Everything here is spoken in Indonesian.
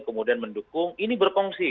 kemudian mendukung ini berkongsi